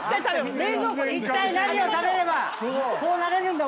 いったい何を食べればこうなれるんだ⁉